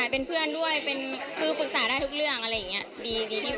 เป็นเพื่อนด้วยคือปรึกษาได้ทุกเรื่องอะไรอย่างนี้ดีที่สุด